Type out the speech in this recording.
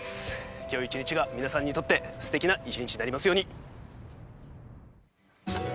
今日一日が皆さんにとってすてきな一日になりますように。